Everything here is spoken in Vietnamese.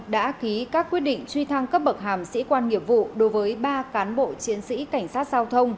đã ký các quyết định truy thăng cấp bậc hàm sĩ quan nghiệp vụ đối với ba cán bộ chiến sĩ cảnh sát giao thông